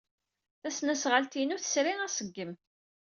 Tasnasɣalt-inu tesri aṣeggem.